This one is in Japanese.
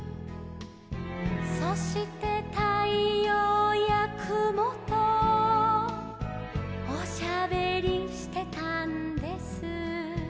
「そしてたいようやくもとおしゃべりしてたんです」